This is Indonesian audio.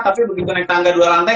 tapi begitu naik tangga dua lantai